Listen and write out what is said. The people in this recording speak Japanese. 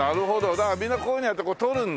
だからみんなこういうふうにやって撮るんだ。